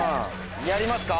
やりますか？